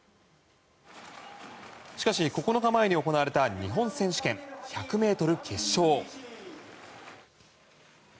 しかし、９日前に行われた日本選手権１００ｍ決勝。